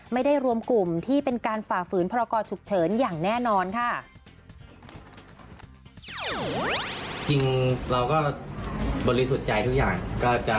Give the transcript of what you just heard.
ไม่ได้รวมกลุ่มที่เป็นการฝ่าฝืนพรกรฉุกเฉินอย่างแน่นอนค่ะ